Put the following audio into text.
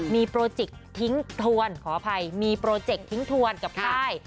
มีโปรเจคจะทิ้งทวนกับค่าย